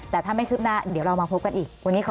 แต่ถ้าไม่คืบหน้าเดี๋ยวเรามาพบกันอีกวันนี้ขอ